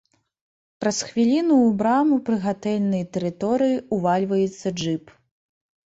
Праз хвіліну ў браму прыгатэльнай тэрыторыі ўвальваецца джып.